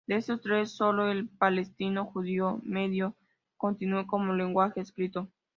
De estos tres, solo el palestino judío medio continuó como lenguaje escrito.